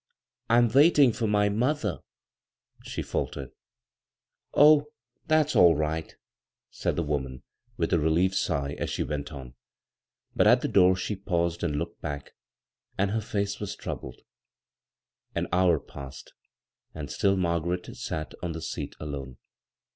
" I'm waiting for my mother, ' she faltered. b, Google CROSS CURRENTS "Oh, that's all right," said the woman, widi a relieved sigh, as she went on ; but at the door she paused and locked back — and her iact was troubled. An hour passed, and still Margaret sat on the seat alone.